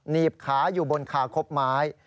หนีบขาอยู่บนคาคบไม้